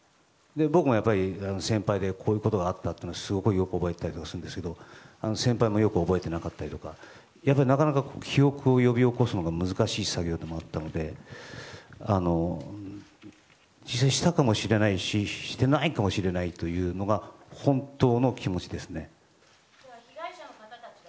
僕もやっぱり先輩でこういうことがあったというのはよく覚えているんですが先輩もよく覚えていなかったりとかなかなか記憶を呼び起こすのが難しい作業でもあったのでしたかもしれないししていないかもしれない被害者の方たちに。